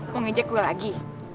mengijek gue lagi